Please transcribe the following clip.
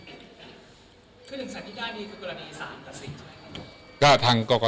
คือ๑แสนที่ได้นี่คือกรณีสารตัดสินใช่ไหมครับ